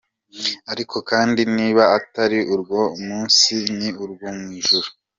Ariko kandi niba atari urwo mu isi, ni urwo mu ijuru.